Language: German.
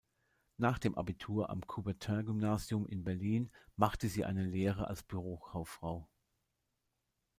Nach dem Abitur am Coubertin-Gymnasium in Berlin machte sie eine Lehre als Bürokauffrau.